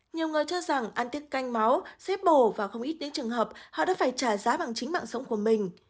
nhiều người cho rằng ăn tiết canh máu sẽ bổ và không ít những trường hợp họ đã phải trả giá bằng chính mạng sống của mình